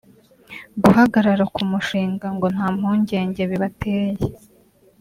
Guhagarara k’umushinga ngo nta mpungenge bibateye